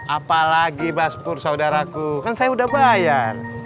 apa lagi mas pur saudaraku kan saya udah bayar